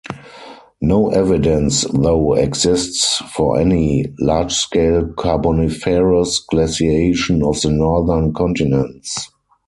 No evidence, though, exists for any large-scale Carboniferous glaciation of the northern continents.